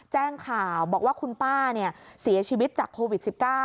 แจ้งข่าวบอกว่าคุณป้าเสียชีวิตจากโควิด๑๙